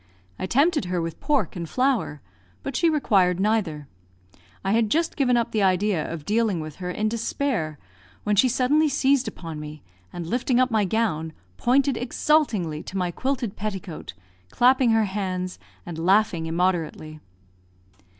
I tempted her with pork and flour, but she required neither. I had just given up the idea of dealing with her, in despair, when she suddenly seized upon me, and, lifting up my gown, pointed exultingly to my quilted petticoat, clapping her hands, and laughing immoderately.